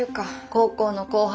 高校の後輩。